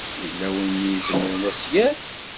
Yella win i izemren ad s-yerr?